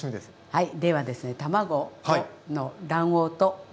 はい。